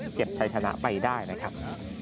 เก็บใช้ชนะไปได้นะครับ